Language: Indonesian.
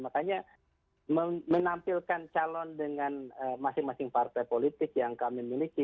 makanya menampilkan calon dengan masing masing partai politik yang kami miliki